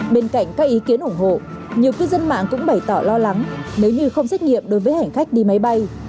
bên cạnh các ý kiến ủng hộ nhiều cư dân mạng cũng bày tỏ lo lắng nếu như không xét nghiệm đối với hành khách đi máy bay